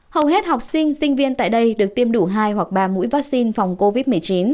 hầu hết học sinh sinh viên tại đây được tiêm đủ hai hoặc ba mũi vaccine phòng covid một mươi chín